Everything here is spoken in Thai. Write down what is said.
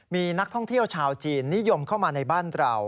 มีนักท่องเที่ยวชาวจีนนิยมเข้ามาในบ้านเรา